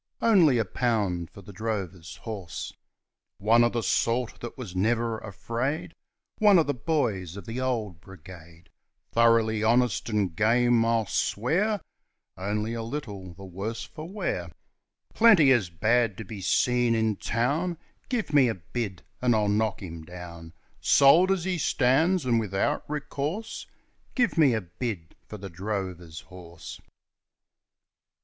Only a pound for the drover's horse; One of the sort that was never afraid, One of the boys of the Old Brigade; Thoroughly honest and game, I'll swear, Only a little the worse for wear; Plenty as bad to be seen in town, Give me a bid and I'll knock him down; Sold as he stands, and without recourse, Give me a bid for the drover's horse.'